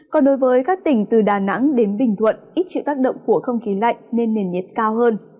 còn đối với các tỉnh từ đà nẵng đến bình thuận ít chịu tác động của không khí lạnh nên nền nhiệt cao hơn